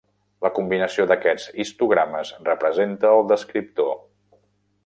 La combinació d'aquests histogrames representa el descriptor.